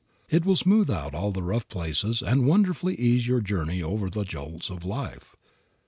It will smooth out all the rough places and wonderfully ease your journey over the jolts of life.